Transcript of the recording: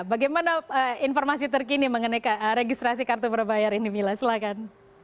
bagaimana informasi terkini mengenai registrasi kartu berbayar ini mila silahkan